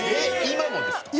今もですか？